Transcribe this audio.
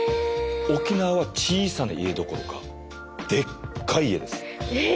沖縄は小さな家どころかでっかい家です。